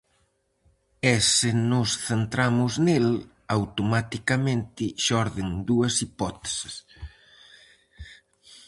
E se nos centramos nel, automaticamente xorden dúas hipóteses: